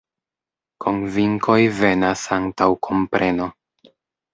Konvinkoj venas antaŭ kompreno.